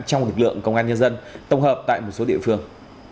trong lực lượng công an nhân dân tổng hợp tại một số địa phương